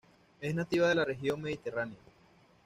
Es nativa de la región mediterránea.